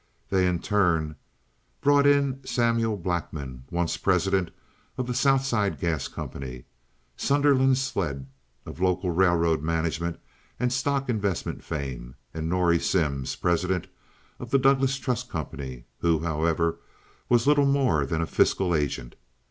They in turn brought in Samuel Blackman, once president of the South Side Gas Company; Sunderland Sledd, of local railroad management and stock investment fame; and Norrie Simms, president of the Douglas Trust Company, who, however, was little more than a fiscal agent.